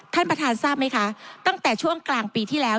ท่านประธานทราบไหมคะตั้งแต่ช่วงกลางปีที่แล้ว